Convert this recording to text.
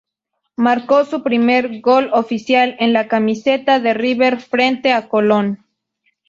Marcó su primer gol oficial con la camiseta de River frente a Colón.